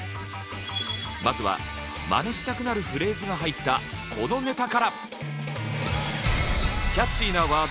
まずはマネしたくなるフレーズが入ったこのネタから。